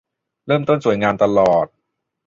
เริ่มต้นสวยงามตลอด